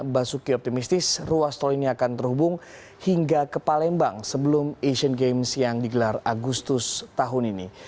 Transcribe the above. basuki optimistis ruas tol ini akan terhubung hingga ke palembang sebelum asian games yang digelar agustus tahun ini